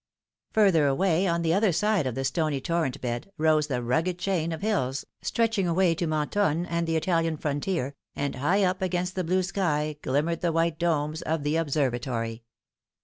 Further away, ou Looking Back. 243 the other side of the stony torrent bed, rose the rugged chain of hills stretching away to Mentone and the Italian frontier, and high up against the blue sky glimmered the white domes of the Observatory.